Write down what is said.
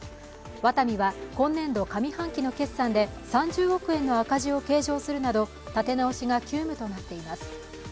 ワタミは今年度上半期の決算で３０億円の赤字を計上するなど、立て直しが急務となっています。